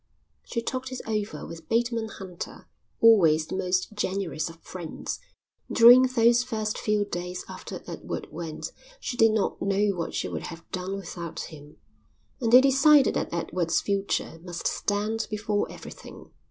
She talked it over with Bateman Hunter, always the most generous of friends (during those first few days after Edward went she did not know what she would have done without him), and they decided that Edward's future must stand before everything.